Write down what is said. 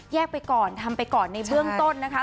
ไปก่อนทำไปก่อนในเบื้องต้นนะคะ